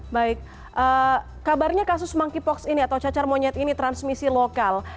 baik kabarnya kasus monkeypox ini atau cacar monyet ini transmisi lokal